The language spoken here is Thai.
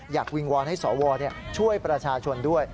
วิงวอนให้สวช่วยประชาชนด้วย